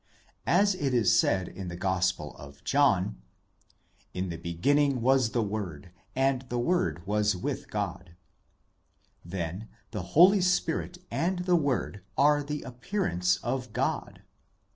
As it is said in the Gospel of John, 'In the beginning was the Word, and the Word was with God '; then the Holy Spirit and the Word are the appearance of God.